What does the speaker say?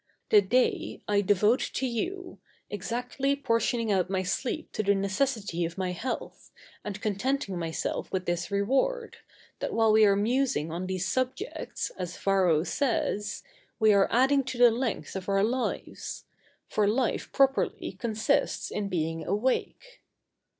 The day I devote to you, exactly portioning out my sleep to the necessity of my health, and contenting myself with this reward, that while we are musing on these subjects, as Varro says, we are adding to the length of our lives; for life properly consists in being awake.